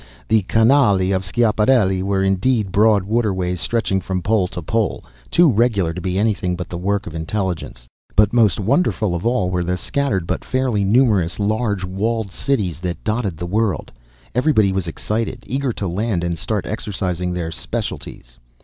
The canali of Schiaparelli were indeed broad waterways stretching from pole to pole, too regular to be anything but the work of intelligence. But most wonderful of all were the scattered, but fairly numerous large, walled cities that dotted the world. Everybody was excited, eager to land and start exercising their specialties.